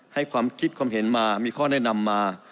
ให้ความคิดความเห็นมามีข้อแนะนำมา